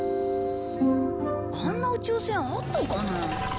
あんな宇宙船あったかな？